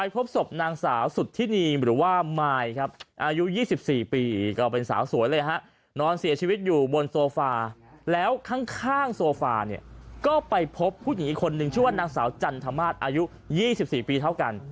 พบผู้หญิงอีกคนนึงชื่อว่านางสาวจันทรมาศอายุ๒๔ปีเท่ากัน